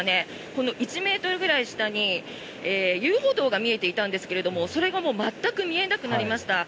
この１ｍぐらい下に遊歩道が見えていたんですがそれがもう全く見えなくなりました。